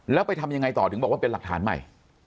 แล้วไปทำยังไงต่อถึงบอกว่าเป็นหลักฐานใหม่